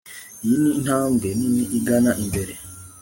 Iyi ni intambwe nini igana imbere